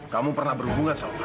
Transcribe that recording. kamu pernah berhubungan sama kamu